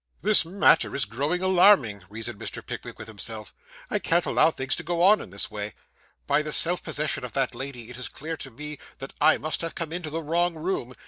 'This matter is growing alarming,' reasoned Mr. Pickwick with himself. 'I can't allow things to go on in this way. By the self possession of that lady, it is clear to me that I must have come into the wrong room.